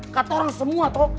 kata orang semua toh